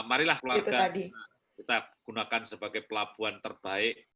marilah keluarga kita gunakan sebagai pelabuhan terbaik